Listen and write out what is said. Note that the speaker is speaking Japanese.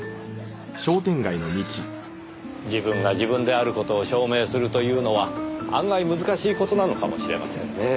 自分が自分である事を証明するというのは案外難しい事なのかもしれませんねぇ。